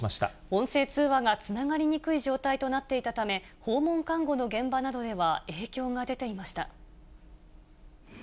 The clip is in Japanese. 音声通話がつながりにくい状態となっていたため、訪問看護の現場などでは影響が出ていました。